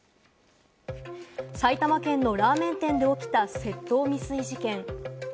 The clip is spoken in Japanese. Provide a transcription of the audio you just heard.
埼玉県のラーメン店で起きた窃盗未遂事件。